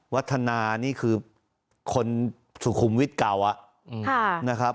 วัฒนานี่คือคนสุขุมวิทย์เก่านะครับ